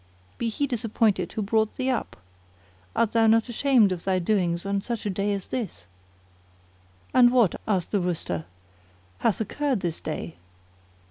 Be he disappointed who brought thee up![FN#37] Art thou not ashamed of thy doings on such a day as this!" "And what," asked the Rooster, "hath occurred this day?"